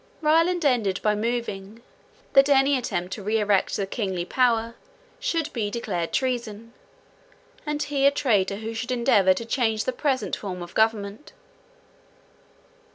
Ryland ended by moving, that any attempt to re erect the kingly power should be declared treason, and he a traitor who should endeavour to change the present form of government.